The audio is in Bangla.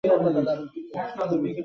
যুদ্ধের আগের কথা বলছি!